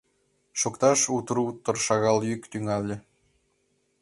Шокташ утыр-утыр шагат йӱк тӱҥале.